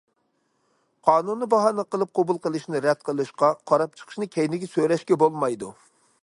قانۇننى باھانە قىلىپ قوبۇل قىلىشنى رەت قىلىشقا، قاراپ چىقىشنى كەينىگە سۆرەشكە بولمايدۇ.